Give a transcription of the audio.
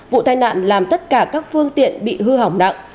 vụ tai nạn làm tất cả các phương tiện bị hư hỏng nặng